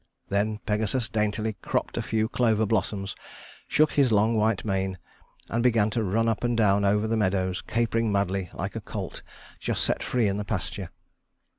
Then Pegasus daintily cropped a few clover blossoms, shook his long white mane, and began to run up and down over the meadows, capering madly like a colt just set free in the pasture.